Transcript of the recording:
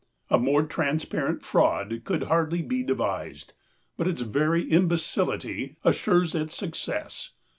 A more transparent fraud could hardly be devised, but its very imbecility assures its success.